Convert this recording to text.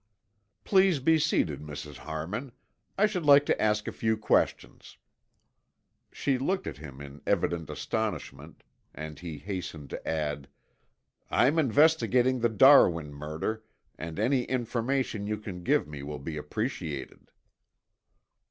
"Please be seated, Mrs. Harmon. I should like to ask a few questions." She looked at him in evident astonishment, and he hastened to add, "I'm investigating the Darwin murder and any information you can give me will be appreciated."